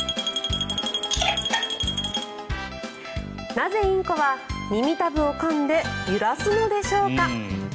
なぜ、インコは耳たぶをかんで揺らすのでしょうか。